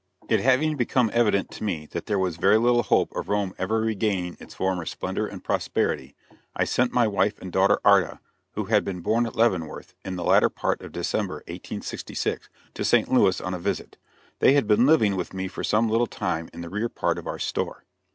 It having become evident to me that there was very little hope of Rome ever regaining its former splendor and prosperity, I sent my wife and daughter Arta who had been born at Leavenworth in the latter part of December, 1866 to St. Louis on a visit. They had been living with me for some little time in the rear part of our "store."